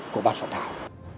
cô bác sẵn thảo